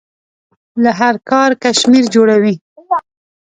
له هر کار کشمیر جوړوي.